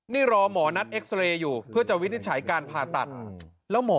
นี่รอหมอนัดเอ็กซาเรย์อยู่เพื่อจะวินิจฉัยการผ่าตัดแล้วหมอ